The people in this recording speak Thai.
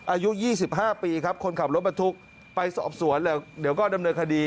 อายุ๒๕ปีครับคนขับรถบรรทุกไปสอบสวนแล้วเดี๋ยวก็ดำเนินคดี